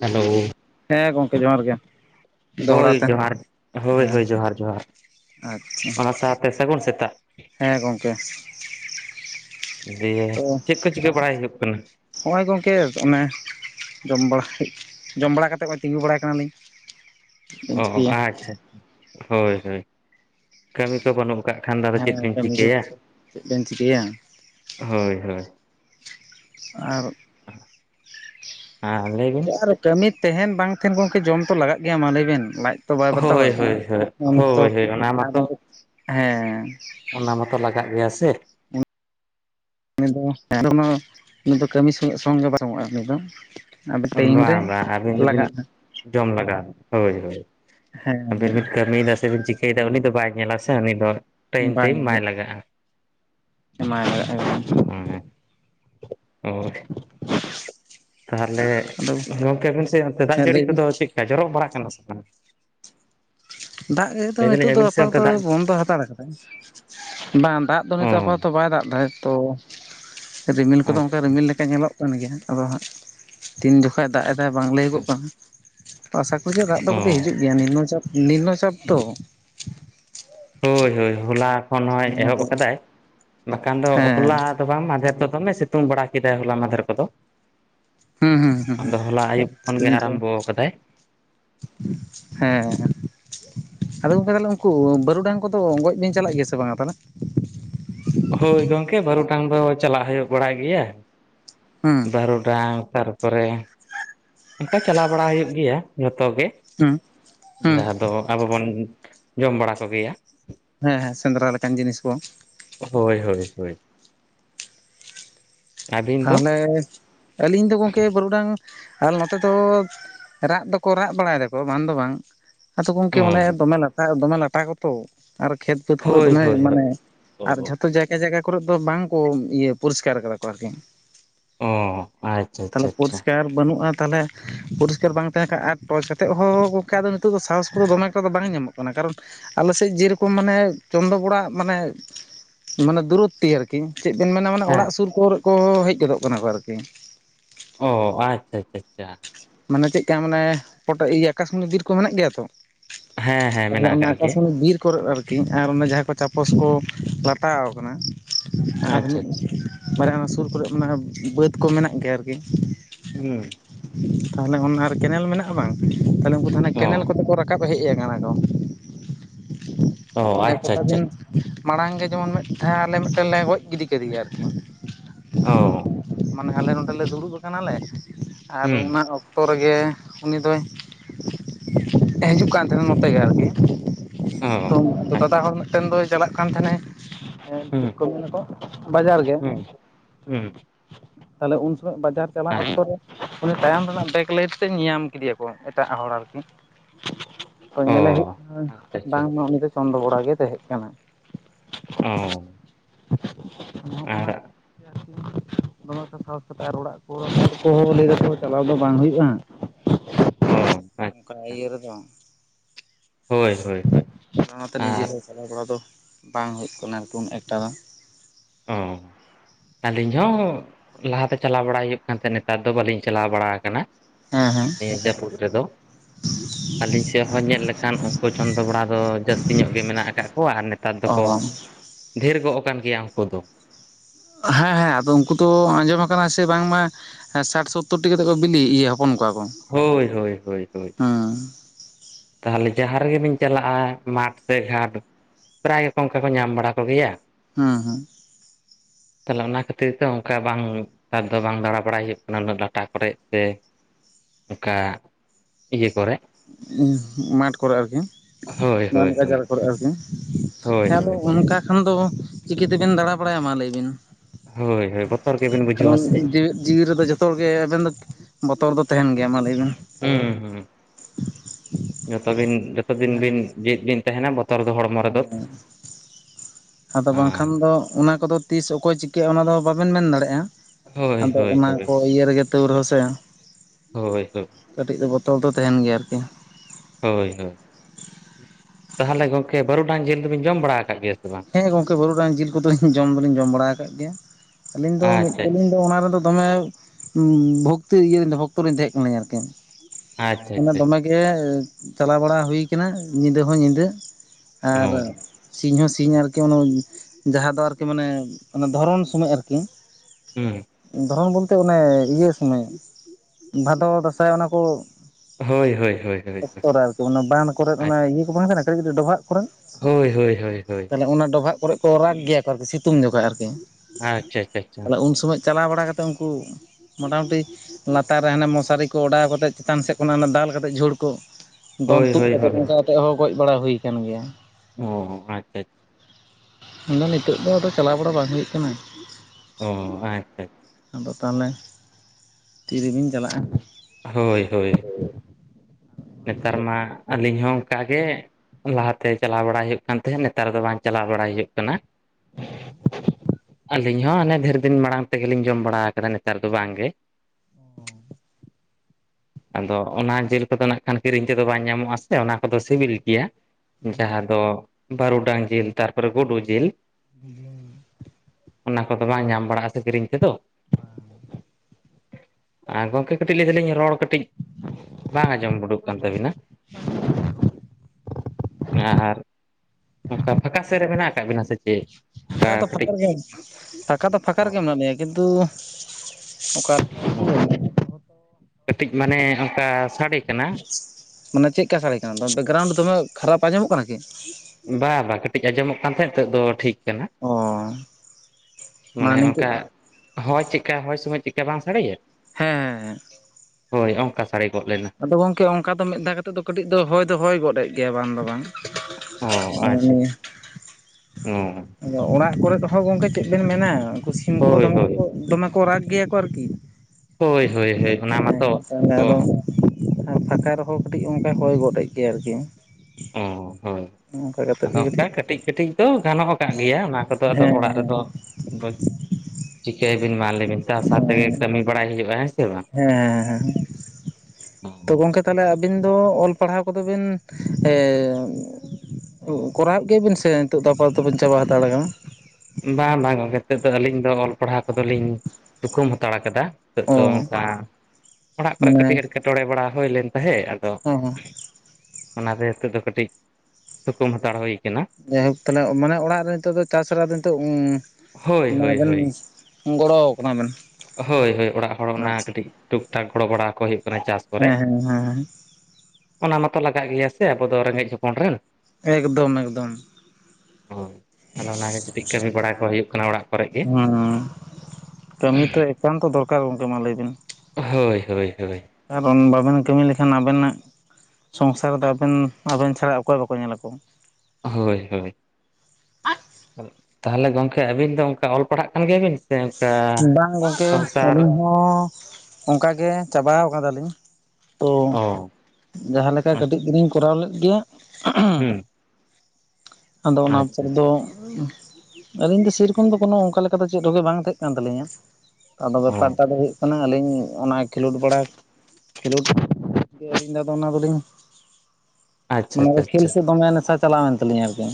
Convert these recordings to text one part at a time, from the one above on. Hello. ᱦᱮᱸ ᱜᱚᱝᱠᱮ ᱡᱚᱦᱟᱨ ᱜᱮ᱾ ᱫᱚᱦᱲᱟ ᱦᱳᱭ ᱛᱮ ᱡᱚᱦᱟᱨ, ᱦᱳᱭ ᱦᱮᱸ ᱦᱳᱭ ᱡᱚᱦᱟᱨ ᱡᱚᱦᱟᱨ᱾ ᱟᱪᱪᱷᱟ ᱚᱱᱟ ᱥᱟᱶᱛᱮ ᱥᱟᱹᱜᱩᱱ ᱥᱮᱛᱟᱜ᱾ ᱦᱮᱸ ᱜᱚᱝᱠᱮ ᱫᱤᱭᱮ ᱪᱮᱫ ᱠᱚ ᱪᱤᱠᱟᱹ ᱵᱟᱲᱟᱭ ᱦᱩᱭᱩᱜ ᱠᱟᱱᱟ? ᱦᱚᱸᱜᱼᱚᱭ ᱜᱚᱝᱠᱮ ᱚᱱᱮ ᱡᱚᱢ ᱵᱟᱲᱟ, ᱡᱚᱢ ᱵᱟᱲᱟ ᱠᱟᱛᱮᱫ ᱦᱚᱸᱜᱼᱚᱭ ᱛᱤᱸᱜᱩ ᱵᱟᱲᱟᱭ ᱠᱟᱱᱟᱞᱤᱧ᱾ ᱪᱮᱫ ᱵᱮᱱ ᱚ ᱪᱤᱠᱟᱹᱭᱟ ᱟᱪᱪᱷᱟ ᱦᱳᱭ ᱦᱳᱭ᱾ ᱠᱟᱹᱢᱤ ᱠᱚ ᱵᱟᱹᱱᱩᱜ ᱠᱟᱜ ᱠᱷᱟᱱ ᱫᱚ ᱟᱫᱚ ᱪᱮᱫ ᱦᱮᱸ ᱵᱤᱱ ᱠᱟᱹᱢᱤ ᱫᱚ ᱪᱤᱠᱟᱹᱭᱟ, ᱪᱮᱫ ᱵᱮᱱ ᱪᱤᱠᱟᱹᱭᱟ ᱦᱳᱭ ᱦᱳᱭ᱾ ᱟᱨ ᱟᱨ ᱞᱟᱹᱭ ᱪᱮᱫ ᱵᱤᱱ ᱟᱨ ᱠᱟᱹᱢᱤ ᱛᱟᱦᱮᱱ ᱵᱟᱝ ᱛᱟᱦᱮᱱ ᱜᱚᱝᱠᱮ ᱡᱚᱢ ᱛᱚ ᱞᱟᱜᱟᱜ ᱜᱮᱭᱟ ᱢᱟ ᱞᱟᱹᱭᱵᱱ ᱞᱟᱡ ᱛᱚ ᱵᱟᱭ ᱦᱳᱭ ᱵᱟᱛᱟᱭᱟᱣ ᱦᱳᱭ ᱦᱳᱭ ᱩᱱ ᱛᱚ, ᱦᱳᱭ ᱦᱳᱭ ᱚᱱᱟ ᱢᱟᱛᱚ ᱦᱮᱸ᱾ ᱚᱱᱟ ᱢᱟᱛᱚ ᱞᱟᱜᱟᱜ ᱜᱮᱭᱟ ᱥᱮ᱾ ᱩᱱ ᱫᱚ [inaudible] ᱩᱱᱤ ᱫᱚ ᱠᱟᱹᱢᱤ ᱥᱩᱢᱟᱹᱡ ᱥᱚᱝ ᱫᱚ ᱵᱟᱭ ᱮᱢᱚᱜᱼᱟ ᱩᱱᱤ ᱫᱚ᱾ ᱟᱫᱚ ᱴᱟᱭᱤᱢ ᱨᱮ ᱵᱟᱝ ᱵᱟᱝ ᱟᱹᱵᱤᱱ ᱫᱚᱵᱤᱱ ᱞᱟᱜᱟᱜᱼᱟ᱾ ᱡᱚᱢ ᱞᱟᱜᱟᱜᱼᱟ ᱦᱳᱭ ᱦᱳᱭ, ᱦᱮᱸ ᱟᱵᱤᱱ ᱦᱮᱸ ᱵᱤᱱ ᱠᱟᱹᱢᱤᱭᱮᱫᱟ ᱥᱮᱵᱤᱱ ᱪᱤ ᱠᱟᱹᱭ ᱫᱟ ᱩᱱᱤ ᱫᱚ ᱵᱟᱭ ᱧᱮᱞᱟ ᱥᱮ ᱩᱱᱤ ᱫᱚ ᱴᱟᱭᱤᱢ ᱵᱟᱭ ᱴᱟᱭᱤᱢ ᱮᱢᱟᱭ ᱞᱟᱜᱟᱜᱼᱟ, ᱮᱢᱟᱭ ᱞᱟᱜᱟᱜᱼᱟ ᱦᱳᱭ᱾ ᱚᱜ᱾ [inaudible] ᱛᱟᱦᱚᱞᱮ ᱟᱫᱚ ᱜᱚᱝᱠᱮ ᱟᱵᱤᱱ ᱥᱮ ᱚᱱᱛᱮ ᱫᱟᱜ ᱦᱮᱸ ᱡᱟᱹᱲᱤ ᱞᱟᱹᱭ ᱵᱤᱱ ᱠᱚᱫᱚ ᱪᱮᱫ ᱠᱟ ᱡᱚᱨᱚᱜ ᱵᱟᱲᱟᱜ ᱠᱟᱱᱟ ᱥᱮ ᱵᱟᱝ? ᱫᱟᱜ ᱜᱮ ᱛᱚ ᱞᱟᱹᱭ ᱱᱤᱛᱚᱜ ᱫᱟᱞᱤᱧ ᱫᱚ ᱟᱹᱵᱤᱱ ᱥᱮᱫ ᱚᱱᱛᱮ ᱟᱯᱟᱛᱚᱛᱚᱭ ᱫᱟᱜ ᱵᱚᱱᱫᱚ ᱦᱟᱛᱟᱲ ᱟᱠᱟᱫᱟᱭ᱾ ᱵᱟᱝ ᱫᱟᱜ ᱫᱚ ᱚ ᱱᱤᱛᱚᱜ ᱟᱯᱟᱛᱚᱛᱚ ᱵᱟᱭ ᱫᱟᱜ ᱮᱫᱟᱭ ᱛᱚ ᱨᱤᱢᱤᱞ ᱠᱚᱫᱚ ᱚᱱᱠᱟ ᱟᱪᱪᱷᱟ ᱨᱤᱢᱤᱞ ᱟᱪᱪᱷᱟ ᱞᱮᱠᱟ ᱧᱮᱞᱚᱜ ᱠᱟᱱ ᱜᱮᱭᱟ ᱟᱫᱚ ᱦᱟᱸᱜ ᱛᱤᱱ ᱡᱚᱠᱷᱚᱡ ᱫᱟᱜ ᱮᱫᱟᱭ ᱵᱟᱝ ᱞᱟᱹᱭᱩᱜᱽᱚᱜ ᱟᱪᱪᱷᱟ ᱠᱟᱱᱟ, ᱟᱥᱟ ᱠᱚᱨᱤ ᱫᱟᱜ ᱫᱚ ᱚ ᱠᱟᱹᱴᱤᱡ ᱦᱤᱡᱩᱜ ᱜᱮᱭᱟ ᱱᱤᱢᱱᱚ ᱪᱟᱯ ᱱᱤᱢᱱᱚᱪᱟᱯ ᱛᱚ᱾ ᱦᱳᱭ ᱦᱳᱭ ᱦᱚᱞᱟ ᱠᱷᱚᱱ ᱦᱚᱸᱭ ᱱᱚᱣᱟ ᱮᱦᱚᱵ ᱫᱚ ᱟᱠᱟᱫᱟᱭ᱾ ᱵᱟᱠᱷᱟᱱ ᱫᱚ ᱦᱮᱸ ᱦᱚᱞᱟ ᱫᱚ ᱵᱟᱝ ᱢᱟᱫᱷᱮᱨ ᱫᱚ ᱫᱚᱢᱮ ᱥᱤᱛᱩᱝ ᱵᱟᱲᱟ ᱠᱮᱫᱟᱭ ᱦᱚᱞᱟ ᱢᱟᱫᱷᱮᱨ ᱠᱚᱫᱚ᱾ ᱦᱩᱸ ᱦᱩᱸ ᱦᱩᱸ ᱦᱩᱸ ᱟᱫᱚ ᱦᱚᱞᱟ ᱟᱹᱭᱩᱵ ᱠᱷᱚᱱ ᱜᱮ ᱠᱤᱱᱛᱩ ᱟᱨᱟᱢᱵᱚ ᱟᱠᱟᱫᱟᱭ᱾ ᱦᱮᱸ᱾ ᱟᱫᱚ ᱜᱚᱝᱠᱮ ᱛᱟᱦᱚᱞᱮ ᱩᱝᱠᱩ ᱵᱟᱹᱨᱩᱰᱟᱝ ᱠᱚᱫᱚ ᱜᱚᱡ ᱵᱮᱱ ᱪᱟᱞᱟᱜ ᱜᱮᱭᱟ ᱥᱮ ᱵᱟᱝᱟ ᱛᱟᱦᱚᱞᱮ? ᱦᱳᱭ ᱜᱚᱝᱠᱮ ᱵᱟᱨᱩᱰᱟᱝ ᱫᱚ ᱪᱟᱞᱟᱜ ᱦᱳᱭᱳᱜ ᱵᱟᱲᱟᱜ ᱜᱮᱭᱟ ᱾ ᱦᱩᱸ ᱵᱟᱹᱨᱩᱰᱟᱝ ᱛᱟᱨᱯᱚᱨᱮ ᱚᱱᱠᱟ ᱪᱟᱞᱟᱣ ᱵᱟᱲᱟ ᱦᱩᱭᱩᱜ ᱜᱮᱭᱟ ᱡᱚᱛᱚ ᱜᱮ ᱾ ᱦᱮᱸ ᱾ ᱡᱟᱦᱟᱸ ᱫᱚ ᱟᱵᱚ ᱵᱚᱱ ᱡᱚᱢ ᱵᱟᱲᱟ ᱠᱚ ᱜᱮᱭᱟ ᱾ ᱦᱮᱸ ᱦᱮᱸ ᱥᱮᱸᱫᱽᱨᱟ ᱞᱮᱠᱟᱱ ᱡᱤᱱᱤᱥ ᱠᱚ ᱾ ᱦᱳᱭ ᱦᱳᱭ ᱦᱳᱭ ᱾ ᱟᱹᱵᱤᱱ ᱫᱚ ᱛᱟᱦᱚᱞᱮ ᱟᱹᱞᱤᱧ ᱫᱚ ᱜᱚᱝᱠᱮ ᱵᱩᱨᱩᱰᱟᱝ ᱟᱞᱮ ᱱᱚᱛᱮ ᱫᱚ ᱨᱟᱜ ᱫᱚᱠᱚ ᱨᱟᱜ ᱵᱟᱲᱟᱭ ᱮᱫᱟᱠᱚ ᱵᱟᱝ ᱫᱚ ᱵᱟᱝ ᱾ ᱟᱫᱚ ᱜᱚᱝᱠᱮ ᱚᱱᱮ ᱚ ᱫᱚᱢᱮ ᱞᱟᱴᱟ ᱫᱚᱢᱮ ᱞᱟᱴᱟ ᱠᱚ ᱛᱚ ᱟᱨ ᱠᱷᱮᱛ ᱵᱟᱹᱫ ᱠᱚᱨᱮᱜ ᱦᱳᱭ ᱫᱚᱢᱮ ᱦᱳᱭ ᱦᱳᱭ ᱢᱟᱱᱮ ᱟᱨ ᱚ ᱡᱚᱛᱚ ᱡᱟᱭ ᱡᱟᱭᱜᱟ ᱡᱟᱭᱜᱟ ᱠᱚᱨᱮᱜ ᱫᱚ ᱵᱟᱝ ᱠᱚ ᱤᱭᱟᱹ ᱯᱚᱨᱤᱥᱠᱟᱨ ᱠᱟᱫᱟ ᱠᱚ ᱟᱨᱠᱤ ᱾ ᱚ ᱟᱪ ᱛᱟᱦᱚᱞᱮ ᱯᱚᱨᱤᱥᱠᱟᱨ ᱵᱟᱹᱱᱩᱜᱼᱟ ᱛᱟᱦᱚᱞᱮ, ᱯᱚᱨᱤᱥᱠᱟᱨ ᱵᱟᱝ ᱛᱟᱦᱮᱸ ᱠᱷᱟᱡ ᱟᱨ ᱴᱚᱪ ᱠᱟᱛᱮᱫ ᱦᱚ ᱜᱚᱝᱠᱮ ᱟᱫᱚ ᱱᱤᱛᱚᱜ ᱫᱚ ᱥᱟᱦᱚᱥ ᱠᱚᱫᱚ ᱫᱚᱢᱮᱠᱴᱟ ᱫᱚ ᱵᱟᱝ ᱧᱟᱢᱚᱜ ᱚᱱᱟ ᱠᱟᱨᱚᱱ ᱟᱞᱮ ᱥᱮᱫ ᱡᱮᱨᱚᱠᱚᱢ ᱢᱟᱱᱮ ᱪᱚᱱᱫᱚᱵᱚᱲᱟᱜ ᱢᱟᱱᱮ ᱢᱟᱱᱮ ᱫᱩᱨᱚᱛᱛᱤ ᱟᱨᱠᱤ ᱪᱮᱫ ᱫᱤᱱ ᱢᱮᱱᱟ ᱢᱟᱱᱮ ᱦᱮᱸ ᱚᱲᱟᱜ ᱥᱩᱨ ᱠᱚᱨᱮᱜ ᱠᱚ ᱦᱮᱡ ᱜᱚᱫᱚᱜ ᱠᱟᱱᱟ ᱠᱚ ᱟᱨᱠᱤ ᱾ ᱚ ᱟᱪᱷᱟ ᱟᱪᱷᱟ ᱟᱪᱷᱟ ᱾ ᱢᱟᱱᱮ ᱪᱮᱫᱠᱟ ᱢᱟᱱᱮ ᱯᱚᱴ ᱤᱭᱟᱹ ᱟᱠᱟᱥᱢᱚᱱᱤ ᱵᱤᱨ ᱠᱚ ᱢᱮᱱᱟᱜ ᱜᱮᱭᱟ ᱛᱚ ᱦᱮᱸ ᱾ ᱦᱮᱸ ᱛᱟᱦᱚᱞᱮ ᱢᱮᱱᱟᱜ ᱚᱱᱟ ᱟᱠᱟᱫ ᱜᱮᱭᱟ ᱟᱠᱟᱥᱢᱚᱱᱤ ᱵᱤᱨ ᱠᱚᱨᱮᱜ ᱟᱨᱠᱤ ᱟᱨ ᱚᱱᱮ ᱡᱟᱦᱟᱸ ᱠᱚ ᱪᱟᱯᱚᱥ ᱠᱚ ᱞᱟᱴᱟᱣ ᱠᱟᱱᱟ, ᱟᱨ ᱟᱪᱪᱷᱟ ᱢᱤᱫ ᱟᱪᱪᱷᱟ ᱵᱟᱨᱭᱟ ᱚᱱᱟ ᱥᱩᱨ ᱠᱚᱨᱮᱜ ᱢᱟᱱᱮ ᱵᱟᱹᱫᱽ ᱠᱚ ᱢᱮᱱᱟᱜ ᱜᱮᱭᱟ ᱟᱨᱠᱤ ᱾ ᱦᱮᱸ ᱾ ᱛᱟᱦᱚᱞᱮ ᱚᱱᱟ ᱨᱮ ᱠᱮᱱᱮᱞ ᱢᱮᱱᱟᱜᱼᱟ ᱵᱟᱝ ᱛᱟᱞᱦᱮ ᱩᱱᱠᱩ ᱫᱚ ᱦᱟᱱᱮ ᱚ ᱠᱮᱱᱮᱞ ᱠᱚᱛᱮ ᱠᱚ ᱨᱟ ᱠᱟᱵ ᱦᱮᱡ ᱟᱠᱟᱱᱟ ᱠᱚ, ᱚ ᱦᱮᱸᱜᱼᱮ ᱟᱪᱪᱷᱟ ᱠᱚᱴᱟ ᱟᱪᱪᱷᱟ ᱫᱤᱱ ᱟᱪᱪᱷᱟ ᱢᱟᱲᱟᱝ ᱜᱮ ᱡᱮᱢᱚᱱ ᱢᱤᱫ ᱫᱷᱟ ᱞᱮ ᱢᱤᱫᱴᱮᱱ ᱞᱮ ᱜᱚᱡ ᱤᱫᱤ ᱠᱮᱫᱮᱭᱟ ᱟᱨᱠᱤ ᱾ ᱚ ᱾ ᱢᱟᱱᱮ ᱟᱞᱮ ᱱᱚᱸᱰᱮᱞᱮ ᱫᱩᱲᱩᱵ ᱟᱠᱟᱱᱟᱞᱮ ᱟᱨ ᱦᱩᱸ ᱚᱱᱟ ᱚᱠ ᱛᱚ ᱨᱮᱜᱮ ᱩᱱᱤ ᱫᱚᱭ ᱦᱮᱡᱩᱜ ᱠᱟᱱ ᱛᱟᱦᱮᱱᱟ ᱱᱚᱛᱮ ᱜᱮ ᱟᱨᱠᱤ ᱚ ᱾ ᱛᱚ ᱫᱟᱫᱟ ᱟᱪᱪᱷᱟ ᱦᱚᱲ ᱢᱤᱫᱴᱮᱱ ᱫᱚᱭ ᱪᱟᱞᱟᱜ ᱠᱟᱱ ᱛᱟᱦᱮᱱᱟᱭ ᱾ ᱦᱮᱸ ᱦᱩᱸ ᱪᱮᱫ ᱠᱚ ᱢᱮᱱᱟ ᱠᱚ ᱵᱟᱡᱟᱨ ᱜᱮ, ᱦᱩᱸ ᱦᱩᱸ ᱛᱟᱦᱚᱞᱮ ᱩᱱ ᱥᱚᱢᱚᱭ ᱵᱟᱡᱟᱨ ᱪᱟᱞᱟᱜ ᱚᱠᱛᱚ ᱟᱪᱪᱷᱟ ᱨᱮ ᱩᱱᱤ ᱛᱟᱭᱚᱢ ᱨᱮᱱᱟᱜ ᱵᱮᱠ ᱞᱟᱭᱤᱴ ᱛᱮ ᱧᱮᱭᱟᱢ ᱠᱮᱫᱮᱭᱟ ᱠᱚ ᱮᱴᱟᱜ ᱦᱚᱲ ᱟᱨᱠᱤ ᱾ ᱛᱚ ᱚ ᱧᱮᱞᱮ ᱦᱩᱭᱩᱜ ᱠᱟᱱᱟ ᱟᱪᱪᱷᱟ ᱟᱪᱪᱷᱟ ᱵᱟᱝ ᱢᱟ ᱩᱱᱤ ᱫᱚ ᱪᱚᱱᱫᱚ ᱵᱚᱲᱟ ᱜᱮ ᱛᱟᱦᱮᱸᱜ ᱠᱟᱱᱟᱭ ᱾ ᱚ ᱾ ᱦᱚᱸᱜ ᱚᱱᱟ ᱫᱚᱢᱮ ᱮᱠᱴᱟ ᱥᱟᱦᱚᱥ ᱠᱟᱛᱮᱜ ᱚᱲᱟᱜ ᱠᱚ ᱠᱚᱦᱚᱸ ᱞᱟᱹᱭ ᱫᱟᱠᱚ ᱪᱟᱞᱟᱣ ᱫᱚ ᱵᱟᱝ ᱦᱩᱭᱩᱜᱼᱟ ᱚ ᱾ ᱱᱚᱝᱠᱟ ᱟᱪᱪᱷᱟ ᱤᱭᱟᱹ ᱨᱮᱫᱚ ᱾ ᱦᱳᱭ ᱦᱳᱭ ᱦᱳᱭ ᱚᱱᱟ ᱦᱚᱛᱮ ᱱᱤᱡᱮ ᱟᱨ ᱦᱚ ᱪᱟᱞᱟᱣ ᱵᱟᱲᱟ ᱫᱚ ᱵᱟᱝ ᱦᱩᱭᱩᱜ ᱠᱟᱱᱟ ᱟᱨᱠᱤ ᱩᱱᱟᱜ ᱮᱠᱴᱟ ᱫᱚ ᱾ ᱚ ᱾ ᱟᱹᱞᱤᱧ ᱦᱚᱸ ᱞᱟᱦᱟᱛᱮ ᱪᱟᱞᱟᱣ ᱵᱟᱲᱟᱭ ᱦᱩᱭᱩᱜ ᱠᱟᱱ ᱛᱟᱦᱮᱸ, ᱱᱮᱛᱟᱨ ᱫᱚ ᱵᱟᱹᱞᱤᱧ ᱪᱟᱞᱟᱣ ᱵᱟᱲᱟ ᱟᱠᱟᱱᱟ ᱾ ᱦᱮᱸ ᱦᱮᱸ ᱱᱤᱭᱟᱹ ᱡᱟᱹᱯᱩᱫ ᱨᱮᱫᱚ ᱾ ᱟᱹᱞᱤᱧ ᱥᱮᱜ ᱦᱚᱸ ᱧᱮᱞ ᱞᱮᱠᱷᱟᱱ ᱩᱝᱠᱩ ᱪᱚᱸᱫᱚᱵᱚᱲᱟ ᱫᱚ ᱡᱟᱹᱥᱛᱤ ᱧᱚᱜ ᱜᱮ ᱢᱮᱱᱟᱜ ᱟᱠᱟᱫ ᱠᱚᱣᱟ ᱟᱨ ᱱᱮᱛᱟᱨ ᱫᱚᱠᱚ [inaudible] ᱰᱷᱮᱨ ᱜᱚᱜ ᱠᱟᱱ ᱜᱮᱭᱟ ᱩᱱᱠᱩ ᱫᱚ᱾ ᱦᱮᱸ ᱦᱮᱸ ᱟᱫᱚ ᱩᱱᱠᱩ ᱫᱚ ᱟᱸᱡᱚᱢᱟ ᱟᱠᱟᱱᱟ ᱥᱮ ᱵᱟᱝ ᱢᱟ ᱾ ᱦᱮᱸ ᱥᱟᱴ ᱥᱚᱛᱛᱳᱨᱴᱤ ᱠᱟᱛᱮᱫ ᱠᱚ ᱵᱤᱞᱤ ᱤᱭᱟᱹ ᱦᱚᱯᱚᱱ ᱠᱚᱣᱟ ᱠᱚ᱾ ᱦᱳᱭ ᱦᱳᱭ ᱦᱳᱭ ᱦᱳᱭ᱾ ᱦᱮᱸ ᱛᱟᱦᱚᱞᱮ ᱡᱟᱦᱟᱸ ᱨᱮᱜᱮ ᱵᱤᱱ ᱪᱟᱞᱟᱜᱼᱟ ᱢᱟᱴᱷ ᱥᱮ ᱜᱷᱟᱴ? ᱯᱨᱟᱭ ᱜᱮᱠᱚ ᱚᱱᱠᱟ ᱠᱚ ᱧᱟᱢ ᱵᱟᱲᱟ ᱠᱚ ᱜᱮᱭᱟ᱾ ᱦᱩᱸ ᱦᱩᱸ᱾ ᱛᱟᱦᱚᱞᱮ ᱚᱱᱟ ᱠᱷᱟᱹᱛᱤᱨ ᱛᱮ ᱚᱱᱠᱟ ᱵᱟᱝ ᱥᱟᱨ ᱫᱚ ᱵᱟᱝ ᱫᱟᱬᱟ ᱵᱟᱲᱟᱭ ᱦᱩᱭᱩᱜ ᱠᱟᱱᱟ ᱩᱱᱟᱹᱜ ᱰᱟᱴᱟ ᱠᱚᱨᱮᱡ ᱛᱮ᱾ ᱮᱱᱠᱟ ᱤᱭᱟᱹ ᱠᱚᱨᱮ᱾ ᱦᱩᱸ ᱢᱟᱴᱷ ᱠᱚᱨᱮ ᱟᱨᱠᱤ? ᱦᱳᱭ ᱢᱟ ᱦᱳᱭ ᱱᱚᱝᱠᱟ ᱦᱳᱭ ᱡᱟᱭᱜᱟ ᱠᱚᱨᱮ ᱟᱨᱠᱤ, ᱦᱳᱭ ᱦᱮᱸ ᱟᱫᱚ ᱦᱳᱭ ᱚᱱᱠᱟ᱾ ᱠᱷᱟᱱ ᱫᱚ ᱪᱤᱠᱟᱹ ᱛᱮᱵᱮᱱ ᱫᱟᱬᱟ ᱵᱟᱲᱟᱭᱟ ᱢᱟ ᱞᱟᱹᱭᱵᱤᱱ? ᱦᱳᱭ ᱦᱳᱭ ᱵᱚᱛᱚᱨ ᱜᱮᱵᱤᱱ ᱠᱟᱨᱚᱱ ᱵᱩᱡᱷᱟᱹᱣᱟ ᱥᱮ ᱡᱮᱭᱫᱚ ᱡᱤᱣᱤ ᱨᱮᱫᱚ ᱡᱚᱛᱚ᱾ ᱠᱚᱜᱮ ᱟᱵᱮᱱ ᱫᱚ ᱵᱚᱛᱚᱨ ᱫᱚ ᱛᱮᱦᱮᱱ ᱜᱮᱭᱟ ᱢᱟ ᱞᱟᱹᱭ ᱵᱮᱱ᱾ ᱦᱩᱸ ᱦᱩᱸ ᱡᱚᱛᱚ ᱵᱤᱱ ᱡᱚᱛᱚ ᱫᱤᱱ ᱵᱤᱱ ᱦᱮᱸ ᱡᱤᱭᱮᱫ ᱵᱤᱱ ᱛᱟᱦᱮᱱᱟ ᱵᱚᱛ᱾ ᱱᱮᱛᱟᱨ ᱫᱚ ᱦᱚᱲᱢᱚ ᱨᱮᱫᱚ᱾ ᱦᱮᱸ ᱟᱫᱚ ᱵᱟᱝᱠᱷᱟᱱ ᱫᱚ ᱚᱱᱟ ᱠᱚᱫᱚ ᱛᱤᱥ ᱚᱠᱚᱭ ᱪᱤᱠᱟᱹᱜᱼᱟ ᱚᱱᱟᱫᱚ ᱵᱟᱵᱮᱱ ᱢᱮᱱ ᱫᱟᱲᱮᱭᱟᱜᱼᱟ᱾ ᱦᱳᱭ ᱟᱫᱚ ᱦᱳᱭ ᱚᱱᱟ ᱦᱳᱭ ᱠᱚ ᱤᱭᱟᱹ ᱨᱮᱜᱮ ᱛᱩᱫ ᱨᱚᱦᱚ ᱥᱮ᱾ ᱦᱳᱭ ᱦᱳᱭ᱾ ᱠᱟᱹᱴᱤᱡ ᱫᱚ ᱵᱚᱛᱚᱨ ᱫᱚ ᱛᱟᱦᱮᱱ ᱜᱮᱭᱟ ᱟᱨ ᱠᱤ? ᱦᱳᱭ ᱦᱳᱭ ᱛᱟᱦᱚᱞᱮ ᱜᱚᱢᱠᱮ ᱵᱟᱹᱨᱩᱰᱟᱝ ᱡᱤᱞ ᱫᱚ ᱵᱮᱱ ᱡᱚᱢ ᱵᱟᱲᱟ ᱟᱠᱟᱫ ᱜᱮᱭᱟ? ᱥᱮ ᱵᱟᱝ? ᱦᱮᱸ ᱜᱚᱢᱠᱮ ᱵᱟᱹᱨᱩᱵᱟᱝ ᱡᱤᱞ ᱠᱚᱫᱚᱧ ᱡᱚᱢ ᱫᱚᱞᱤᱧ ᱡᱚᱢ ᱵᱟᱲᱟ ᱟᱠᱟᱫ ᱜᱮᱭᱟ᱾ ᱟᱹᱞᱤᱧ ᱫᱚ ᱢᱤᱫ ᱟᱪᱪᱷᱟ ᱠᱚᱞᱤᱧ᱾ ᱚᱱᱟ ᱨᱮᱫᱚ ᱫᱚᱢᱮ ᱵᱷᱚᱠᱛᱤ ᱤᱭᱟᱹ ᱵᱷᱚᱠᱛᱚ ᱨᱮᱧ ᱫᱮᱡ ᱠᱟᱱᱟᱧ ᱟᱨᱠᱤ᱾ ᱟᱪᱪᱷᱟ ᱢᱟᱱᱮ ᱟᱪᱪᱷᱟ ᱫᱚᱢᱮ ᱜᱮ ᱪᱟᱞᱟᱣ ᱵᱟᱲᱟ ᱦᱩᱭ ᱠᱟᱱᱟ ᱧᱤᱫᱟᱹ ᱦᱚᱸ ᱧᱤᱫᱟᱹ᱾ ᱟᱨ ᱦᱚᱸ ᱥᱤᱧ ᱦᱚᱸ ᱥᱤᱧ᱾ ᱥᱤᱧ ᱟᱨᱠᱤ ᱚᱱᱟ ᱡᱟᱦᱟᱸ ᱫᱚ ᱟᱨᱠᱤ ᱢᱟᱱᱮ ᱚᱱᱟ ᱫᱷᱚᱨᱚᱱ ᱥᱚᱢᱚᱭ ᱟᱨᱠᱤ? ᱦᱩᱸ᱾ ᱫᱷᱚᱨᱚᱱ ᱵᱚᱞᱛᱮ ᱚᱱᱮ ᱤᱭᱟᱹ ᱥᱩᱢᱟᱹᱭ ᱵᱷᱟᱫᱚᱨ ᱫᱟᱸᱥᱟᱭ ᱚᱱᱟᱠᱚ᱾ ᱦᱳᱭ ᱦᱳᱭ ᱦᱳᱭ ᱦᱳᱭ ᱚᱠᱛᱚ ᱨᱮ ᱟᱨᱠᱤ ᱵᱟᱸᱫᱷ ᱠᱚᱨᱮ ᱚᱱᱟ ᱟᱪᱪᱷᱟ ᱤᱭᱟᱹ ᱠᱚ ᱵᱟᱝᱠᱟᱱᱟ ᱠᱟᱹᱴᱤᱡ ᱠᱟᱹᱴᱤᱡ ᱰᱚᱵᱷᱟᱜ ᱠᱚᱨᱮ᱾ ᱦᱳᱭ ᱦᱳᱭ ᱦᱳᱭ ᱦᱳᱭ᱾ ᱚᱱᱟ ᱰᱚᱵᱷᱟᱜ ᱠᱚᱨᱮ ᱠᱚ ᱨᱟᱜ ᱜᱮᱭᱟ ᱠᱚ ᱟᱨᱠᱤ ᱥᱤᱛᱩᱝ ᱡᱚᱠᱷᱟᱡ ᱟᱨᱠᱤ ᱟᱪᱪᱷᱟ ᱟᱪᱪᱷᱟ ᱟᱪᱪᱷᱟ ᱟᱫᱚ ᱩᱱ ᱥᱚᱢᱚᱭ᱾ ᱪᱟᱞᱟᱣ ᱵᱟᱲᱟ ᱠᱟᱛᱮᱫ ᱩᱱᱠᱩ᱾ ᱢᱩᱴᱟᱢᱩᱴᱤ ᱞᱟᱛᱟᱨ ᱨᱮ ᱦᱟᱱᱮ ᱢᱚᱥᱟᱨᱤ ᱠᱚ ᱚᱰᱟᱣ ᱠᱟᱛᱮᱫ ᱪᱮᱛᱟᱱ ᱥᱮᱫ ᱠᱷᱚᱱᱟᱜ ᱫᱟᱞ ᱠᱟᱛᱮᱫ ᱡᱷᱩᱲ ᱠᱚ᱾ ᱫᱚᱱ ᱦᱳᱭ ᱛᱩᱫ ᱦᱳᱭ ᱠᱟᱛᱮᱫ ᱦᱳᱭ ᱱᱚᱱᱠᱟ ᱠᱟᱛᱮᱫ ᱦᱚᱸ ᱜᱚᱡ ᱵᱟᱲᱟ ᱦᱩᱭ ᱠᱟᱱ ᱜᱮᱭᱟ᱾ ᱚ ᱟᱪᱪᱷᱟ ᱟᱪᱪᱷᱟ᱾ ᱢᱮᱱᱫᱚ ᱱᱤᱛᱚᱜ ᱫᱚ ᱟᱫᱚ ᱪᱟᱞᱟᱣ ᱵᱟᱲᱟ ᱵᱟᱝ ᱦᱩᱭᱩᱜ ᱠᱟᱱᱟ᱾ ᱚ ᱟᱪᱪᱷᱟ ᱟᱪᱪᱷᱟ᱾ ᱟᱫᱚ ᱛᱟᱦᱚᱞᱮ ᱛᱤᱨᱮᱵᱤᱱ ᱪᱟᱞᱟᱜᱼᱟ? ᱦᱳᱭ ᱦᱳᱭ᱾ ᱱᱮᱛᱟᱨ ᱢᱟ᱾ ᱟᱹᱞᱤᱧ ᱦᱚᱸ ᱚᱱᱠᱟᱜ ᱜᱮ ᱞᱟᱦᱟᱛᱮ ᱪᱟᱞᱟᱣ ᱵᱟᱲᱟ ᱦᱩᱭᱩᱜ ᱠᱟᱱ ᱛᱟᱦᱮᱸᱫ ᱱᱮᱛᱟᱨ ᱫᱚ ᱵᱟᱝ ᱪᱟᱞᱟᱣ ᱵᱟᱲᱟ ᱦᱩᱭᱩᱜ ᱠᱟᱱᱟ᱾ ᱟᱹᱞᱤᱧ ᱦᱚᱸ ᱦᱟᱱᱮ ᱰᱷᱮᱨ ᱫᱤᱱ ᱢᱟᱲᱟᱝ ᱛᱮᱜᱮ ᱞᱤᱧ ᱡᱚᱢ ᱵᱟᱲᱟ ᱟᱠᱟᱫᱟ ᱱᱮᱛᱟᱨ ᱫᱚ ᱵᱟᱝᱜᱮ᱾ ᱟᱫᱚ ᱚᱱᱟ ᱡᱤᱞ ᱠᱚᱫᱚ ᱱᱟᱜ ᱠᱷᱟᱱ ᱠᱤᱨᱤᱧ ᱛᱮᱫᱚ ᱵᱟᱝ ᱧᱟᱢᱚᱜᱼᱟ᱾ ᱥᱮ ᱚᱱᱟ ᱠᱚᱫᱚ ᱥᱤᱵᱤᱞ ᱜᱮᱭᱟ᱾ ᱡᱟᱦᱟᱸ ᱫᱚ ᱵᱟᱹᱨᱩᱰᱟᱝ ᱡᱤᱞ, ᱛᱟᱨ ᱯᱚᱨᱮ ᱜᱩᱰᱩ ᱡᱤᱞ᱾ ᱵᱩᱡᱷᱟᱹᱣ᱾ ᱚᱱᱟ ᱠᱚᱫᱚ ᱵᱟᱝ ᱧᱟᱢ ᱵᱟᱲᱟᱜ-ᱟ ᱥᱮ ᱠᱤᱨᱤᱧ ᱛᱮᱫᱚ᱾ ᱵᱟᱝ᱾ ᱟᱨ ᱜᱚᱝᱠᱮ ᱠᱟᱹᱴᱤᱡ ᱞᱟᱹᱭ ᱫᱟᱞᱤᱧ ᱨᱚᱲ ᱠᱟᱹᱴᱤᱡ ᱵᱟᱝ ᱟᱸᱡᱚᱢ ᱩᱰᱩ ᱠᱟᱱ ᱛᱟᱹᱵᱤᱱᱟ᱾ ᱟᱨ ᱚᱝᱠᱟ ᱯᱷᱟᱸᱠᱟ ᱥᱮᱜ ᱨᱮ ᱢᱮᱱᱟᱜ ᱟᱠᱟᱜ ᱵᱮᱱᱟ ᱥᱮ ᱪᱮᱜ? ᱯᱷᱟᱸᱠᱟ ᱫᱚ ᱯᱷᱟᱸᱠᱟ ᱨᱮ ᱜᱮ ᱯᱷᱟᱸᱠᱟ ᱫᱚ ᱯᱷᱟᱸᱠᱟ ᱨᱮᱜᱮ ᱢᱮᱱᱟᱜ ᱞᱤᱧᱟ ᱠᱤᱱᱛᱩ ᱚᱠᱟ᱾ ᱦᱳᱭ᱾ ᱠᱟᱹᱴᱤᱡ ᱢᱟᱱᱮ ᱚᱝᱠᱟ ᱥᱟᱰᱮ ᱠᱟᱱᱟ᱾ ᱢᱟᱱᱮ ᱪᱮᱜᱠᱟ ᱥᱟᱲᱮ ᱠᱟᱱᱟ ᱵᱮᱠᱜᱨᱟᱣᱩᱱᱰ ᱫᱚᱢᱮ ᱠᱷᱟᱨᱟᱯ ᱟᱸᱡᱚᱢᱚᱜ ᱠᱟᱱᱟ ᱠᱤ? ᱵᱟ ᱵᱟ ᱠᱟᱹᱴᱤᱡ ᱟᱸᱡᱚᱢᱚᱜ ᱠᱟᱱ ᱛᱟᱦᱮᱸᱜ ᱱᱤᱛᱚᱜ ᱫᱚ ᱴᱷᱤᱠ ᱠᱟᱱᱟ᱾ ᱚ ᱢᱟᱱᱮ ᱚᱱᱠᱟ ᱦᱚᱭ ᱪᱮᱜᱠᱟ ᱦᱚᱭ ᱥᱚᱢᱚᱭ ᱪᱮᱜᱠᱟ ᱵᱟᱝ ᱥᱟᱰᱮᱭᱟ᱾ ᱦᱮᱸ ᱦᱮᱸ ᱦᱮᱸ᱾ ᱦᱳᱭ ᱚᱝᱠᱟ ᱥᱟᱲᱮ ᱜᱚᱜ ᱞᱮᱱᱟ᱾ ᱟᱫᱚ ᱜᱚᱝᱠᱮ ᱚᱝᱠᱟ ᱫᱚ ᱢᱤᱜ ᱫᱷᱟ ᱠᱟᱛᱮᱫ ᱫᱚ ᱠᱟᱹᱴᱤᱡ ᱫᱚ ᱦᱚᱭ ᱫᱚ ᱦᱚᱭ ᱜᱚᱫ ᱮᱜ ᱜᱮᱭᱟᱭ ᱵᱟᱝ ᱫᱚ ᱵᱟᱝ᱾ ᱚ [unintelligible] ᱟᱪᱪᱷᱟ ᱱᱤᱭᱟᱹ᱾ ᱚ ᱟᱫᱚ ᱚᱲᱟᱜ ᱠᱚᱨᱮ ᱫᱚ ᱦᱚᱸ ᱜᱚᱝᱠᱮ ᱪᱮᱜ ᱵᱮᱱ ᱢᱮᱱᱟ ᱩᱱᱠᱩ ᱥᱤᱢ ᱠᱚᱦᱚᱸ ᱦᱳᱭ ᱫᱚᱢᱮ ᱠᱚ ᱦᱳᱭ ᱠᱚ ᱫᱚᱢᱮ ᱠᱚ ᱨᱟᱜ ᱜᱮᱭᱟ ᱠᱚ ᱟᱨᱠᱤ᱾ ᱦᱳᱭ ᱦᱳᱭ ᱦᱳᱭ ᱚᱱᱟ ᱢᱟᱛᱚ ᱚ ᱟᱨ ᱯᱷᱟᱸᱠᱟ ᱨᱮᱦᱚ ᱠᱟᱹᱴᱤᱡ ᱚᱱᱠᱟ ᱦᱚᱭ ᱜᱚᱫ-ᱮᱜ ᱜᱮᱭᱟ ᱟᱨᱠᱤ᱾ ᱚ ᱦᱳᱭ [inaudible] ᱟᱫᱚ ᱚᱝᱠᱟ ᱠᱟᱹᱴᱤᱡ ᱠᱟᱹᱴᱤᱡ ᱫᱚ ᱜᱟᱱᱚᱜ ᱠᱟᱜ ᱜᱮᱭᱟ ᱚᱱᱟ ᱠᱚᱫᱚ ᱟᱫᱚ ᱦᱮᱸ ᱚᱲᱟᱜ ᱨᱮᱫᱚ ᱪᱤᱠᱟᱹᱭᱟᱹᱵᱤᱱ ᱢᱟ ᱞᱟᱹᱭ ᱵᱤᱱ ᱪᱟ ᱦᱮᱸ ᱥᱟ ᱛᱮᱜᱮ ᱦᱮᱸ ᱠᱟᱹᱢᱤ ᱵᱟᱲᱟᱭ ᱦᱩᱭᱩᱜ-ᱟ ᱦᱮᱸᱥ ᱦᱮᱸ ᱦᱮᱸ ᱛᱚ ᱜᱚᱝᱠᱮ ᱛᱟᱞᱦᱮ ᱟᱹᱵᱤᱱ ᱫᱚ ᱚᱞ ᱯᱟᱲᱦᱟᱣ ᱠᱚᱫᱚ ᱵᱤᱱ ᱮᱻ ᱠᱚᱨᱟᱣᱮᱜ ᱜᱮᱭᱟ ᱵᱤᱱ ᱥᱮ ᱱᱤᱛᱚᱜ ᱫᱚ ᱟᱯᱟᱛᱚᱛᱚ ᱵᱮᱱ ᱪᱟᱵᱟ ᱦᱟᱛᱟᱲ ᱠᱟᱱᱟ? ᱵᱟ ᱵᱟ ᱜᱚᱝᱠᱮ ᱱᱤᱛᱚᱜ ᱫᱚ ᱟᱹᱞᱤᱧ ᱫᱚ ᱚᱞ ᱯᱟᱲᱦᱟ ᱠᱚᱫᱚ ᱞᱤᱧ ᱛᱷᱩᱠᱩᱢ ᱦᱟᱛᱟᱲ ᱠᱟᱫᱟ᱾ ᱱᱤᱛᱚᱜ ᱫᱚ ᱚ ᱚᱱᱠᱟ ᱚᱲᱟᱜ ᱠᱚᱨᱮ ᱠᱟᱹᱴᱤᱡ ᱮᱸᱴᱠᱮᱴᱚᱸᱬᱮ ᱵᱟᱲᱟ ᱦᱩᱭ ᱞᱮᱱ ᱛᱟᱸᱦᱮᱜ ᱟᱫᱚ ᱦᱮᱸ᱾ ᱚᱱᱟᱛᱮ ᱦᱤᱸᱛᱚᱜ ᱫᱚ ᱠᱟᱹᱴᱤᱡ ᱛᱷᱩᱠᱩᱢ ᱦᱟᱛᱟᱲ ᱦᱩᱭ ᱠᱟᱱᱟ᱾ ᱡᱟᱭᱦᱳᱠ ᱛᱟᱞᱦᱮ ᱢᱟᱱᱮ ᱚᱲᱟᱜ ᱨᱮ ᱱᱤᱛᱳᱜ ᱫᱚ ᱪᱟᱥ [unintelligible] ᱱᱤᱛᱳᱜ ᱩᱸ ᱦᱳᱭ ᱦᱳᱭ ᱵᱟᱵᱮᱱ ᱦᱳᱭ ᱜᱚᱲᱚᱣ ᱠᱟᱱᱟ ᱵᱮᱱ᱾ ᱦᱳᱭ ᱦᱳᱭ ᱚᱲᱟᱜ ᱦᱚᱲ ᱚᱱᱟ ᱟᱪᱪᱷᱟ ᱠᱟᱹᱴᱤᱡ ᱴᱩᱠ ᱴᱟᱠ ᱜᱚᱲᱚ ᱵᱟᱲᱟ ᱠᱚ ᱦᱩᱭᱩᱜ ᱠᱟᱱᱟ ᱪᱟᱥ ᱠᱚᱨᱮ᱾ ᱦᱮᱸ ᱦᱮᱸ ᱦᱮᱸ ᱚᱱᱟ ᱢᱟᱛᱚ ᱞᱟᱜᱟᱜ ᱜᱮᱭᱟ ᱥᱮ ᱟᱵᱚ ᱫᱚ ᱨᱮᱸᱜᱮᱡ ᱦᱚᱯᱚᱱ ᱨᱮᱱ᱾ ᱮᱠᱫᱚᱢ ᱮᱠᱫᱚᱢ᱾ ᱦᱳᱭ ᱛᱟᱞᱦᱮ ᱚᱱᱟᱜᱮ ᱠᱟᱹᱴᱤᱡ ᱠᱟᱹᱢᱤ ᱵᱟᱲᱟ ᱠᱚ ᱦᱩᱭᱩᱜ ᱠᱟᱱᱟ ᱚᱲᱟᱜ ᱠᱚᱨᱮᱜ ᱜᱤ᱾ ᱦᱮᱸ ᱠᱟᱹᱢᱤ ᱛᱚ ᱮᱠᱟᱱᱛᱚ ᱫᱚᱨᱠᱟᱨ ᱜᱚᱝᱠᱮ ᱢᱟ ᱞᱟᱹᱭ ᱵᱤᱱ᱾ ᱦᱳᱭ ᱦᱳᱭ ᱦᱳᱭ᱾ ᱠᱟᱨᱚᱱ ᱵᱟᱵᱮᱱ ᱠᱟᱹᱢᱤ ᱞᱮᱠᱷᱟᱱ ᱟᱵᱮᱱᱟᱜ ᱥᱚᱝᱥᱟᱨ ᱫᱚ ᱟᱵᱮᱱ ᱟᱵᱮᱱ ᱪᱷᱟᱲᱟ ᱚᱠᱚᱭ-ᱚ ᱵᱟᱠᱚ ᱧᱮᱞᱟᱠᱚ᱾ ᱦᱳᱭ ᱦᱳᱭ ᱛᱟᱦᱞᱮ ᱜᱚᱝᱠᱮ ᱟᱹᱵᱤᱱ ᱫᱚ ᱚᱱᱠᱟ ᱚᱞ ᱯᱟᱲᱦᱟᱜ ᱠᱟᱱ ᱜᱮᱭᱟ ᱵᱤᱱ? ᱵᱟᱝ ᱜᱚᱝᱠᱮ ᱟᱹᱞᱤᱧ ᱦᱚᱸ᱾ ᱚᱝᱠᱟ ᱜᱮ ᱪᱟᱵᱟᱣ ᱠᱟᱫᱟ ᱞᱤᱧ ᱛᱚ ᱚ ᱡᱟᱸᱦᱟ ᱞᱮᱠᱟ ᱟᱪᱪᱷᱟ ᱠᱟᱹᱴᱤᱡ ᱟᱪᱪᱷᱟ ᱜᱮᱞᱤᱧ᱾ ᱠᱚᱨᱟᱣ ᱞᱮᱫ ᱜᱮᱭᱟ᱾ ᱦᱩᱸ ᱟᱫᱚ ᱚᱱᱟ ᱟᱪᱪᱷᱟ ᱯᱚᱨ ᱫᱚ ᱟᱪᱪᱷᱟ ᱟᱹᱞᱤᱧ ᱫᱚ ᱥᱮ ᱨᱚᱠᱚᱢ ᱫᱚ ᱠᱚᱱᱚ ᱚᱱᱠᱟ ᱞᱮᱠᱟ ᱫᱚ ᱪᱮᱫ ᱦᱚ ᱜᱮ ᱵᱟᱝ ᱛᱮ ᱠᱟᱱ ᱛᱟᱹᱟᱞᱤᱧᱟ ᱟᱫᱚ ᱚ ᱵᱮᱯᱟᱨᱴᱟ ᱫᱚ ᱦᱩᱭᱩᱜ ᱠᱟᱱᱟ ᱟᱹᱞᱤᱧ ᱚᱱᱟ ᱠᱷᱮᱞᱳᱰ ᱵᱟᱲᱟ ᱠᱷᱮᱞᱳᱰ ᱟᱹᱞᱤᱧ ᱫᱚ ᱚᱱᱟ ᱫᱚ ᱞᱤᱧ ᱟᱪᱪᱷᱟ ᱢᱟᱱᱮ ᱟᱪᱪᱷᱟ ᱠᱷᱮᱞ ᱟᱪᱪᱷᱟ ᱥᱮᱫ ᱫᱚᱢᱮ ᱱᱟᱮᱥᱟ ᱪᱟᱞᱟᱣᱮᱱ ᱛᱟᱞᱤᱧᱟ ᱟᱨᱠᱤ᱾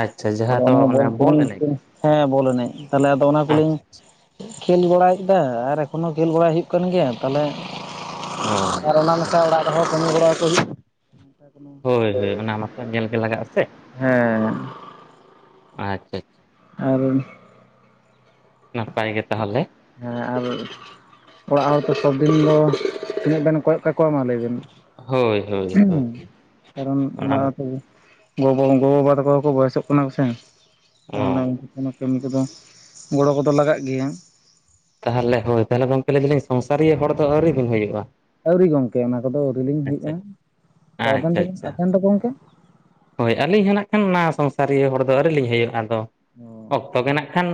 ᱟᱪᱪᱷᱟ ᱟᱫᱚ ᱡᱟᱦᱟᱸ ᱫᱚ ᱚᱱᱟ ᱵᱚᱞ ᱠᱚᱞᱤᱧ ᱮᱱᱮᱡ ᱦᱮᱸ ᱵᱚᱞ ᱮᱱᱮᱡ ᱛᱟᱦᱚᱞᱮ ᱟᱫᱚ ᱚᱱᱟ ᱠᱚ ᱞᱤᱧ ᱟᱪᱪᱷᱟ ᱠᱷᱮᱞ ᱵᱟᱲᱟ ᱠᱮᱫᱟ ᱟᱨ ᱮᱠᱷᱚᱱ ᱦᱚᱸ ᱠᱷᱮᱞ ᱵᱟᱲᱟᱭ ᱦᱩᱭᱩᱜ ᱠᱟᱱ ᱜᱮᱭᱟ ᱛᱟᱞᱦᱮ ᱚ ᱟᱨ ᱚᱱᱟ ᱢᱮᱥᱟ ᱟᱪᱪᱷᱟ ᱚᱲᱟᱜ ᱨᱮᱦᱚᱸ ᱠᱟᱹᱢᱤ ᱵᱟᱲᱟᱭ ᱠᱚ ᱦᱩᱭᱩᱜ ᱦᱳᱭ ᱦᱳᱭ ᱚᱱᱟ ᱢᱟᱛᱚ ᱧᱮᱞ ᱜᱮ ᱞᱟᱜᱟᱜ ᱟᱥᱮ, ᱦᱮᱸ ᱟᱪᱪᱷᱟ ᱟᱪᱪᱷᱟ ᱾ ᱟᱨ ᱱᱟᱯᱟᱭ ᱜᱮ ᱛᱟᱦᱚᱞᱮ ᱾ ᱦᱮᱸ ᱟᱨ ᱚᱲᱟᱜ ᱦᱚᱲ ᱛᱚ ᱥᱚᱵ ᱫᱤᱱ ᱫᱚ ᱛᱤᱱᱟᱹᱜ ᱵᱮᱱ ᱠᱚᱭᱚᱜ ᱠᱟᱠᱚᱣᱟ ᱢᱟ ᱞᱟᱹᱭ ᱵᱤᱱ᱾ ᱦᱳᱭ ᱦᱳᱭ ᱦᱳᱭ ᱠᱟᱨᱚᱱ ᱚᱱᱟ ᱫᱚ ᱚᱲᱟ ᱛᱮᱜᱤ ᱜᱚᱵᱟ ᱜᱚᱼᱵᱟᱵᱟ ᱛᱟᱠᱚ ᱫᱚ ᱠᱚ ᱵᱚᱭᱚᱥᱚᱜ ᱠᱟᱱᱟ ᱠᱚᱥᱮ, ᱚ [unintelligible] ᱚᱱᱟ ᱠᱟᱹᱢᱤ ᱠᱚᱫᱚ ᱜᱚᱲᱚ ᱠᱚᱫᱚ ᱞᱟᱜᱟᱜ ᱜᱮᱭᱟ ᱾ ᱛᱟᱦᱚᱞᱮ ᱦᱳᱭ ᱛᱟᱦᱚᱞᱮ ᱜᱚᱝᱠᱮ ᱞᱟᱹᱭ ᱫᱟᱞᱤᱧ ᱥᱚᱝᱥᱟᱨᱤᱭᱟᱹ ᱦᱚᱲ ᱫᱚ ᱟᱹᱣᱨᱤ ᱵᱤᱱ ᱦᱩᱭᱩᱜ-ᱟ? ᱟᱹᱣᱨᱤ ᱜᱚᱝᱠᱮ ᱚᱱᱟ ᱠᱚᱫᱚ ᱟᱹᱣᱨᱤ ᱞᱤᱧ ᱦᱩᱭᱩᱜ-ᱟ, ᱛᱚ ᱟᱵᱮᱱ ᱟᱪᱪᱷᱟ ᱫᱚ ᱟᱪᱪᱷᱟ ᱟᱵᱮᱱ ᱫᱚ ᱜᱚᱝᱠᱮ ᱦᱳᱭ ᱟᱹᱞᱤᱧ ᱦᱚᱸ ᱱᱟᱜ ᱠᱷᱟᱱ ᱚᱱᱟ ᱥᱚᱝᱥᱟᱨᱤᱭᱟᱹ ᱦᱚᱲ ᱫᱚ ᱟᱹᱣᱨᱤ ᱞᱤᱧ ᱦᱩᱭᱩᱜ-ᱟ, ᱟᱫᱚ ᱚ ᱚᱠᱛᱚ ᱜᱮ ᱱᱟᱜ ᱠᱷᱟᱱ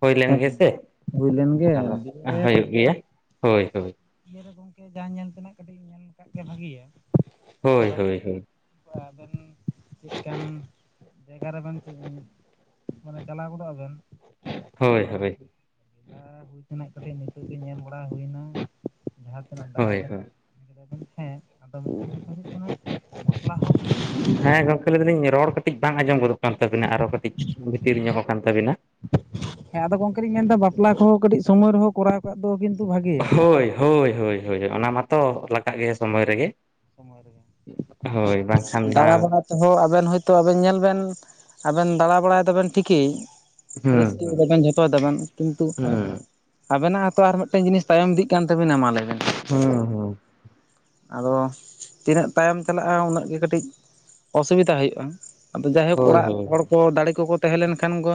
ᱦᱩᱭ ᱞᱮᱱ ᱜᱮ ᱦᱮᱸ ᱥᱮ ᱾ ᱦᱩᱭ ᱞᱮᱱ ᱜᱮ ᱟᱫᱚ ᱦᱩᱭᱩᱜ ᱜᱮᱭᱟ, ᱦᱳᱭ ᱦᱳᱭ ᱾ ᱤᱭᱟᱹ ᱨᱮ ᱜᱚᱝᱠᱮ ᱡᱟ ᱧᱮᱞ ᱛᱮᱱᱟᱜ ᱠᱟᱹᱴᱤᱡ ᱧᱮᱞ ᱠᱟᱜ ᱜᱮ ᱵᱷᱟᱜᱤᱭᱟ ᱾ ᱦᱳᱭ ᱦᱳᱭ ᱦᱳᱭ ᱾ ᱦᱚᱭ ᱟᱵᱮᱱ ᱪᱮᱠᱟᱱ ᱡᱟᱭᱜᱟ ᱨᱮᱵᱮᱱ ᱢᱟᱱᱮ ᱪᱟᱞᱟᱣ ᱜᱚᱫᱚᱜ ᱟᱵᱮᱱ ᱾ ᱦᱳᱭ ᱦᱳᱭ ᱾ ᱟᱨ ᱦᱩᱭ ᱛᱮᱱᱟᱜ ᱠᱟᱹᱴᱤᱡ ᱱᱤᱛᱚᱜ ᱜᱮ ᱧᱮᱞ ᱵᱟᱲᱟ ᱦᱩᱭᱱᱟ ᱡᱟᱦᱟᱸ ᱛᱤᱱᱟᱹᱜ ᱫᱟᱬᱟ ᱦᱳᱭ ᱠᱟᱛ ᱦᱳᱭ [unintelligible] ᱦᱮᱸ ᱟᱫᱚ ᱦᱩᱭᱩᱜ ᱠᱟᱱᱟ [unintelligible] ᱦᱮᱸ ᱜᱚᱝᱠᱮ ᱞᱟᱹᱭ ᱫᱟᱞᱤᱧ ᱨᱚᱲ ᱠᱟᱹᱴᱤᱡ ᱵᱟᱝ ᱟᱸᱡᱚᱢ ᱜᱚᱫᱚᱜ ᱠᱟᱱ ᱛᱟᱵᱤᱱᱟ ᱟᱨᱚ ᱠᱟᱹᱴᱤᱡ ᱵᱷᱤᱛᱤᱨ ᱧᱚᱜ ᱟᱠᱟᱱ ᱛᱟᱵᱤᱱᱟ᱾ ᱦᱮᱸ ᱟᱫᱚ ᱜᱚᱝᱠᱮ ᱞᱤᱧ ᱢᱮᱱᱫᱟ ᱵᱟᱯᱞᱟ ᱠᱚᱦᱚᱸ ᱠᱟᱹᱴᱤᱡ ᱥᱚᱢᱚᱭ ᱨᱮᱦᱚᱸ ᱠᱚᱨᱟᱣ ᱠᱟᱜ ᱫᱚ ᱠᱤᱱᱛᱩ ᱵᱷᱟᱜᱤ ᱦᱳᱭ ᱦᱳᱭ ᱦᱳᱭ ᱚᱱᱟ ᱢᱟᱛᱚ ᱞᱟᱜᱟᱜ ᱜᱮᱭᱟ ᱥᱳᱢᱳᱭ ᱨᱮᱜᱮ᱾ ᱦᱳᱭ ᱵᱟᱝᱠᱷᱟᱱ ᱫᱟᱬᱟ ᱫᱟᱜ ᱵᱟᱲᱟ ᱛᱮᱦᱚᱸ ᱟᱵᱮᱱ ᱦᱚᱭᱛᱳ ᱟᱵᱮᱱ ᱧᱮᱞ ᱵᱮᱱ ᱟᱵᱮᱱ ᱫᱟᱬᱟ ᱵᱟᱲᱟᱭ ᱫᱟᱵᱮᱱ ᱴᱷᱤᱠᱮᱭ ᱦᱩᱸ ᱨᱟᱹᱥᱠᱟᱹᱭ ᱦᱩᱸ ᱫᱟᱵᱮᱱ ᱡᱷᱚᱛᱚᱭ ᱫᱟᱵᱮᱱ ᱠᱤᱱᱛᱩ ᱦᱩᱸ ᱟᱵᱮᱱᱟᱜ ᱦᱚᱸᱛᱚ ᱟᱨ ᱢᱤᱫᱴᱮᱱ ᱡᱤᱱᱤᱥ ᱛᱟᱭᱚᱢ ᱤᱫᱤᱜ ᱠᱟᱱ ᱛᱟᱵᱮᱱᱟ ᱢᱟ ᱞᱟᱹᱭ ᱵᱮᱱ ᱦᱩᱸ ᱦᱩᱸ᱾ ᱟᱫᱚ ᱛᱤᱱᱟᱹᱜ ᱛᱟᱭᱚᱢ ᱪᱟᱞᱟᱜ-ᱟ ᱩᱱᱟᱹᱜ ᱜᱮ ᱠᱟᱹᱴᱤᱡ ᱚᱥᱩᱵᱤᱫᱟ ᱦᱩᱭᱩᱜ-ᱟ᱾ ᱟᱫᱚ ᱡᱟᱭᱦᱳᱠ ᱦᱳᱭ ᱚᱲᱟᱜ ᱦᱳᱭ ᱦᱚᱲ ᱠᱚ ᱫᱟᱲᱮ ᱠᱚᱠᱚ ᱛᱟᱦᱮᱸ ᱞᱮᱱ ᱠᱷᱟᱱ ᱠᱚ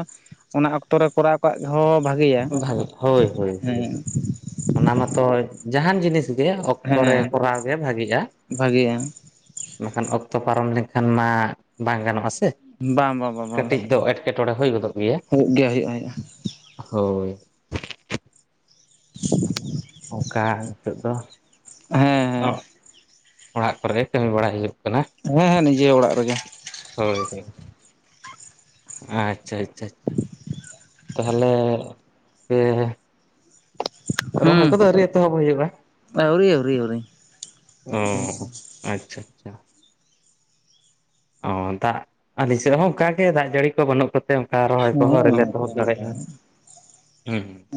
ᱚᱱᱟ ᱚᱠᱛᱚ ᱨᱮ ᱠᱚᱨᱟᱣ ᱠᱟᱫ ᱦᱚᱸ ᱵᱷᱟᱜᱮᱭᱟ, ᱵᱷᱟᱜᱮ ᱦᱳᱭ ᱦᱳᱭ ᱦᱳᱭ ᱦᱩᱸ ᱚᱱᱟ ᱢᱟᱛᱚ ᱡᱟᱦᱟᱸᱱ ᱡᱤᱱᱤᱥ ᱜᱮ ᱚᱠᱛᱚ ᱨᱮ ᱦᱮᱸ ᱠᱚᱨᱟᱣ ᱜᱮ ᱵᱷᱟᱜᱤᱜ-ᱟ᱾ ᱵᱷᱟᱜᱮᱭᱟ ᱵᱟᱠᱷᱟᱱ ᱚᱠᱛᱚ ᱯᱟᱨᱚᱢ ᱞᱮᱱᱠᱷᱟᱱ ᱢᱟ ᱵᱟᱝ ᱜᱟᱱᱚᱜ-ᱟ ᱥᱮ, ᱵᱟᱝ ᱵᱟᱝ ᱵᱟᱝ ᱵᱟᱝ ᱠᱟᱹᱴᱤᱡ ᱫᱚ ᱮᱴ ᱮᱴᱠᱮᱴᱚᱬᱮ ᱦᱩᱭ ᱜᱚᱫᱚᱜ ᱜᱮᱭᱟ᱾ ᱦᱩᱭᱩᱜ ᱜᱮᱭᱟ ᱦᱩᱭᱩᱜ-ᱟ ᱦᱩᱭᱩᱜ-ᱟ᱾ ᱦᱳᱭ ᱾ ᱚᱝᱠᱟ ᱱᱤᱛᱚᱜ ᱫᱚ, ᱚ ᱦᱮᱸ ᱦᱮᱸ ᱚᱲᱟᱜ ᱠᱚᱨᱮ ᱠᱟᱹᱢᱤ ᱵᱟᱲᱟᱭ ᱦᱩᱭᱩᱜ ᱠᱟᱱᱟ᱾ ᱦᱮᱸ ᱦᱮᱸ ᱱᱤᱡᱮ ᱚᱲᱟᱜ ᱨᱮᱜᱮ᱾ ᱦᱳᱭ ᱦᱳᱭ᱾ ᱦᱮᱸ ᱟᱪᱪᱷᱟ ᱟᱪᱪᱷᱟ, ᱛᱟᱦᱚᱞᱮ ᱯᱮ ᱨᱚᱦᱚᱭ ᱦᱩᱸ, ᱠᱚᱫᱚ ᱟᱹᱣᱨᱤ ᱮᱛᱚᱦᱚᱵ ᱦᱩᱭᱩᱜᱼᱟ ᱟᱹᱣᱨᱤ ᱟᱹᱣᱨᱤ ᱟᱹᱣᱨᱤ᱾ ᱚ [unintelligible] ᱟᱪᱪᱷᱟ ᱟᱪᱪᱷᱟ᱾ ᱚ ᱫᱟᱜ ᱟᱹᱞᱤᱧ ᱥᱮᱫ ᱦᱚᱸ ᱚᱱᱠᱟ ᱜᱮ ᱫᱟᱜ ᱡᱟᱹᱲᱤ ᱠᱚ ᱵᱟᱹᱱᱩᱜ ᱠᱟ ᱛᱮ ᱚᱱᱠᱟ ᱨᱚᱦᱚᱭ ᱦᱮᱸ ᱠᱚᱦᱚᱸ ᱟᱹᱣᱨᱤ ᱞᱮ ᱜᱚᱝᱠᱮ ᱮᱛᱚᱦᱚᱵ ᱚᱱᱠᱟ ᱫᱟᱲᱮᱜᱼᱟ᱾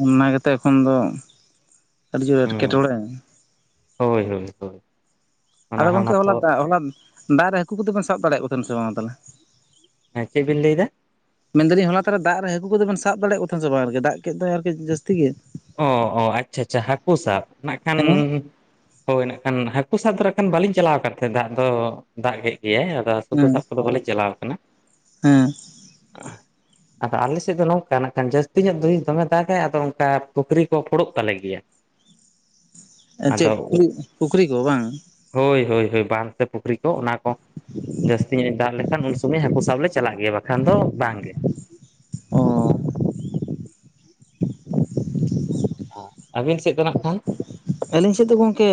ᱚᱱᱟ ᱜᱮᱛᱚ ᱮᱠᱷᱚᱱ ᱫᱚ ᱟᱹᱰᱤ ᱡᱳᱨ ᱦᱩᱸ ᱮᱴᱠᱮᱴᱚᱬᱮ᱾ ᱦᱳᱭ ᱦᱳᱭ ᱦᱳᱭ᱾ ᱚᱱᱟ ᱟᱫᱚ ᱦᱚᱸ ᱜᱚᱝᱠᱮ ᱦᱚᱞᱟ ᱢᱟᱛᱚ ᱦᱚᱞᱟ ᱫᱟᱜ ᱨᱮ ᱦᱟᱹᱠᱩ ᱠᱚᱫᱚ ᱵᱮᱱ ᱥᱟᱵ ᱫᱟᱲᱮᱭᱟᱜ ᱠᱚ ᱛᱟᱦᱮᱱ ᱥᱮ ᱵᱟᱝᱟ ᱛᱟᱦᱚᱞᱮ ᱦᱮᱸ ᱪᱮᱫ ᱵᱤᱱ ᱞᱟᱹᱭ ᱫᱟ ᱢᱮᱱ ᱫᱟᱞᱤᱧ ᱦᱚᱞᱟ ᱛᱟᱦᱟᱞᱮ ᱫᱟᱜ ᱨᱮ ᱦᱟᱹᱠᱩ ᱠᱚᱫᱚᱵᱮᱱ ᱥᱟᱵ ᱫᱟᱲᱮᱭᱟᱜ ᱠᱚ ᱛᱟᱦᱮᱸᱱ ᱥᱮ ᱵᱟᱝ ᱟᱨᱠᱤ ᱫᱟᱜ ᱠᱮᱫ ᱫᱚ ᱟᱨᱠᱤ ᱡᱟᱹᱥᱛᱤ ᱜᱮ ᱚ ᱚ ᱟᱪᱪᱷᱟ ᱟᱪᱪᱷᱟ ᱦᱟᱹᱠᱩ ᱥᱟᱵ ᱱᱟᱜ ᱠᱷᱟᱱ ᱦᱮᱸ ᱦᱳᱭ ᱱᱟᱜ ᱠᱷᱟᱱ ᱦᱟᱹᱠᱩ ᱥᱟᱵ [unintelligible] ᱱᱟᱜ ᱠᱷᱟᱱ ᱵᱟᱹᱞᱤᱧ ᱪᱟᱞᱟᱣ ᱠᱟᱱ ᱛᱟᱦᱮᱸᱫ ᱫᱟᱜ ᱫᱚ ᱫᱟᱜ ᱜᱮᱫ ᱜᱮᱭᱟᱭ ᱦᱟᱹᱠᱩ ᱦᱮᱸ ᱥᱟᱵ ᱠᱚᱫᱚ ᱵᱟᱞᱮ ᱪᱟᱞᱟᱣ ᱟᱠᱟᱱᱟ ᱦᱮᱸ ᱟᱫᱚ ᱟᱞᱮ ᱥᱮᱫ ᱫᱚ ᱱᱚᱝᱠᱟ ᱱᱟᱜ ᱠᱷᱟᱱ ᱡᱟᱹᱥᱛᱤ ᱧᱚᱜ [unintelligible] ᱫᱚᱢᱮ ᱫᱟᱜᱟᱭ ᱟᱫᱚ ᱚᱱᱠᱟ ᱯᱩᱠᱷᱨᱤ ᱠᱚ ᱯᱷᱳᱲᱚᱜ ᱛᱟᱞᱮ ᱜᱮᱭᱟ ᱪᱮᱫ ᱟᱫᱚ ᱠᱩ ᱯᱩᱠᱷᱨᱤ ᱠᱚ ᱵᱟᱝ ᱦᱳᱭ ᱦᱳᱭ ᱦᱳᱭ ᱵᱟᱸᱫ ᱥᱮ ᱯᱩᱠᱷᱨᱤᱼᱼ ᱛᱚ ᱚᱱᱟ ᱠᱚ ᱡᱟᱹᱥᱛᱤ ᱧᱚᱜ ᱫᱟᱜ ᱞᱮᱠᱷᱟᱱ ᱩᱱ ᱥᱚᱢᱚᱭ ᱦᱟᱹᱠᱩ ᱥᱟᱵ ᱞᱮ ᱪᱟᱞᱟᱜ ᱜᱮᱭᱟ ᱵᱟᱠᱷᱟᱱ ᱫᱚ ᱵᱟᱝ ᱜᱮ ᱚᱸ ᱟᱹᱵᱤᱱ ᱥᱮᱫ ᱫᱚ ᱱᱟᱜ ᱠᱷᱟᱱᱼᱼ ᱟᱹᱞᱤᱧ ᱥᱮᱫ ᱫᱚ ᱜᱚᱝᱠᱮᱼᱼ